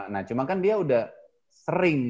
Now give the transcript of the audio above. nah cuma kan dia udah sering